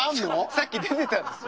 さっき出てたんですよ。